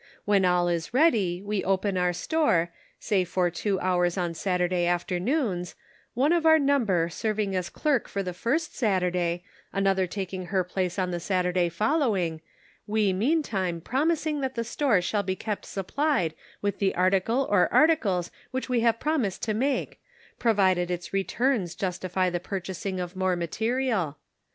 When all is ready we open our store, say for two hours on Saturday afternoons, one of our number serving as clerk for the first Saturday, another taking her place on the Saturday following, we meantime prom ising that the store shall be kept supplied with the article or articles which we have promised to make, provided its returns justify the pur chasing of more material.